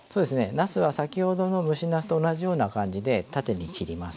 なすは先ほどの蒸しなすと同じような感じで縦に切ります。